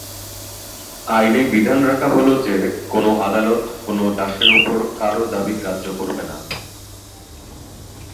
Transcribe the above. আইনে বিধান রাখা হলো যে, কোনো আদালত কোনো দাসের ওপর কারও দাবি গ্রাহ্য করবে না।